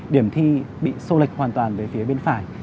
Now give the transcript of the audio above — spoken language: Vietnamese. điểm thi bị xô lệch hoàn toàn về phía bên phải